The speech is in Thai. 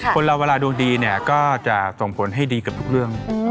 คนละวลาดวงดีก็จะส่งผลให้ดีเกือบทุกเรื่อง